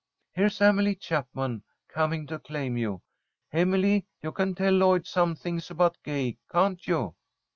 Here's Emily Chapman coming to claim you. Emily, you can tell Lloyd some things about Gay, can't you?"